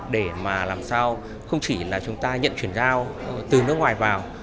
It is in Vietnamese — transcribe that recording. để mà làm sao không chỉ là chúng ta nhận chuyển giao từ nước ngoài vào